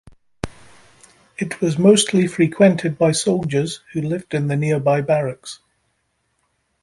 It was mostly frequented by soldiers who lived in the nearby barracks.